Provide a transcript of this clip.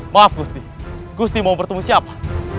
maaf gusti gusti mau bertemu siapa